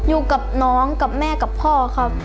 อยู่กับน้องกับแม่กับพ่อครับ